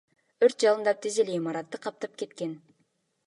Өрт жалындап тез эле имаратты каптап кеткен.